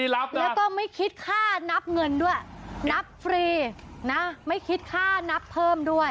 แล้วก็ไม่คิดค่านับเงินด้วยนับฟรีนะไม่คิดค่านับเพิ่มด้วย